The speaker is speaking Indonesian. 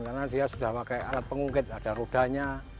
karena dia sudah pakai alat pengungkit ada rudanya